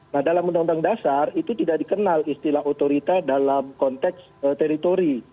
nah dalam undang undang dasar itu tidak dikenal istilah otorita dalam konteks teritori